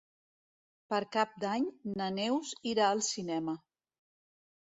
Per Cap d'Any na Neus irà al cinema.